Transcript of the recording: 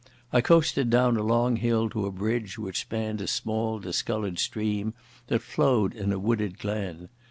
I coasted down a long hill to a bridge which spanned a small discoloured stream that flowed in a wooded glen.